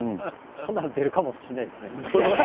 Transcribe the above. そんなら出るかもしれないですね。